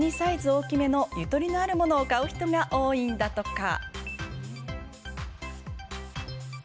大きめのゆとりのあるものを買う人が多いんだとか。